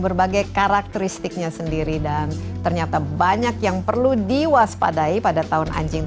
berbagai karakteristiknya sendiri dan ternyata banyak yang perlu diwaspadai pada tahun anjing